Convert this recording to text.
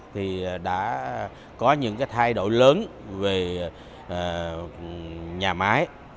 thì đã có những thay đổi lớn về nhà máy